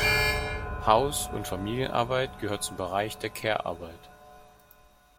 Haus- und Familienarbeit gehört zum Bereich der Care-Arbeit.